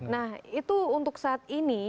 nah itu untuk saat ini